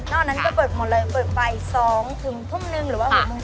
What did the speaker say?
นั้นก็เปิดหมดเลยเปิดไฟ๒ถึงทุ่มนึงหรือว่า๖โมง